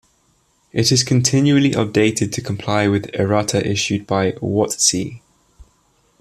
It is continually updated to comply with errata issued by WotC.